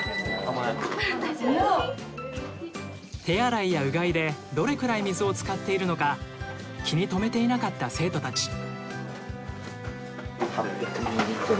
手洗いやうがいでどれくらい水を使っているのか気にとめていなかった生徒たち。